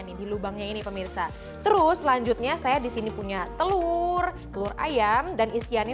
nih di lubangnya ini pemirsa terus selanjutnya saya disini punya telur telur ayam dan isiannya